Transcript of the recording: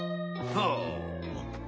はあ。